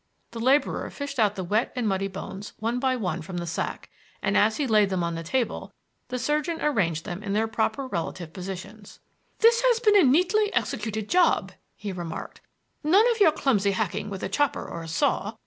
The laborer fished out the wet and muddy bones one by one from the sack, and as he laid them on the table the surgeon arranged them in their proper relative positions. "This has been a neatly executed job," he remarked; "none of your clumsy hacking with a chopper or a saw.